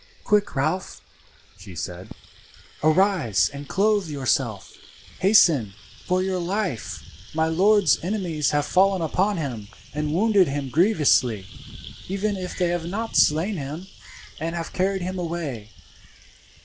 "Quick, Ralph!" she said, "arise and clothe yourself. Hasten for your life. My lord's enemies have fallen upon him and wounded him grievously, even if they have not slain him, and have carried him away.